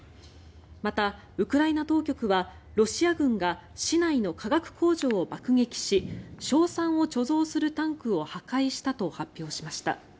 また、ウクライナ当局はロシア軍が市内の化学工場を爆撃し硝酸を貯蔵するタンクを破壊したと発表しました。